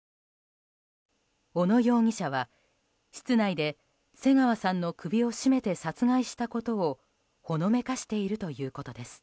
小野容疑者は室内で瀬川さんの首を絞めて殺害したことをほのめかしているということです。